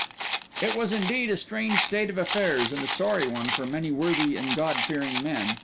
It was indeed a strange state of affairs and a sorry one for many worthy and God fearing men.